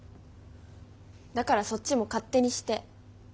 だからそっちも勝手にして。